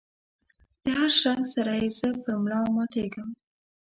دهر شرنګ سره یې زه پر ملا ماتیږم